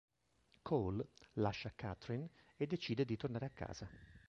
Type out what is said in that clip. Cole lascia Katherine e decide di tornare a casa.